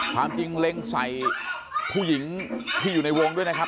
ความจริงเล็งใส่ผู้หญิงที่อยู่ในวงด้วยนะครับ